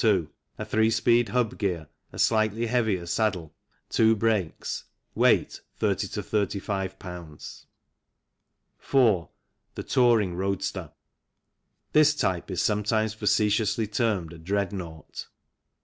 2, a three speed hub gear, a slightly heavier saddle, two brakes. Weight 30 to 35 Ibs. 4. The touring roadster. This type is sometimes facetiously termed a Dreadnought.